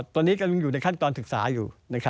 ตอนนี้กำลังอยู่ในขั้นตอนศึกษาอยู่